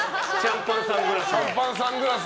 シャンパンサングラス。